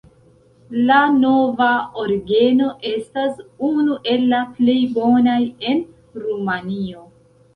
La nova orgeno estas unu el la plej bonaj en Rumanio.